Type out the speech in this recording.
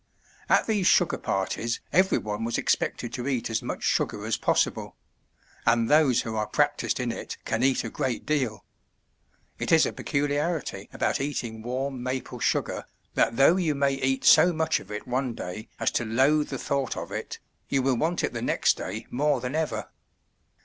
At these sugar parties every one was expected to eat as much sug^r as possible; and those who are practised in it can eat a great deal. It is a peculiarity about eating warm maple sugar, that though you may eat so much of it one day as to loathe the thought of it, you will want it the next day more than ever.